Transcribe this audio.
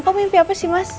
kok mimpi apa sih mas